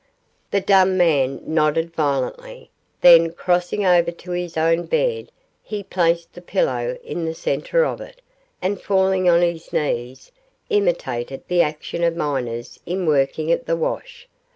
The dumb man nodded violently; then, crossing over to his own bed, he placed the pillow in the centre of it, and falling on his knees, imitated the action of miners in working at the wash.